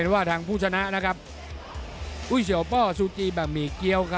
วิเชียวเป้าซูกีบะหมี่เกี๊ยว